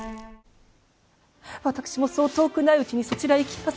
私もそう遠くないうちにそちらへ行きます。